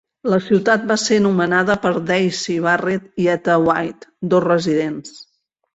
La ciutat va ser nomenada per Daisy Barrett i Etta White, dos residents.